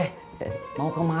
mau kemana bapak betatu